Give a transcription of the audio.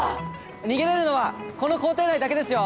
逃げれるのはこの校庭内だけですよ。